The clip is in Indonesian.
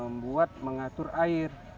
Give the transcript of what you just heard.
membuat mengatur air